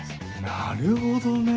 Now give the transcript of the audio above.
なるほどね！